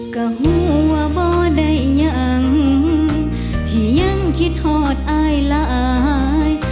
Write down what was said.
กะหูว่าบ่ได้ยังที่ยังคิดฮอตหายลาย